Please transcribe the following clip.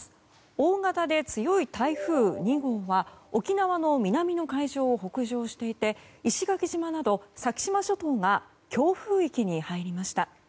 大型で強い台風２号は沖縄の南の海上を北上していて石垣島など先島諸島が強風域に入りました。